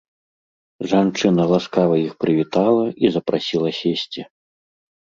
Жанчына ласкава іх прывітала і запрасіла сесці.